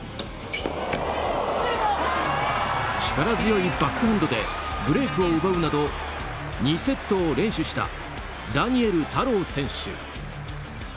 力強いバックハンドでブレークを奪うなど２セットを連取したダニエル太郎選手。